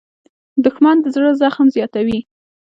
دښمن د زړه زخم زیاتوي